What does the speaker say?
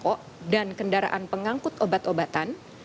kedaraan pengangkut pokok dan kendaraan pengangkut obat obatan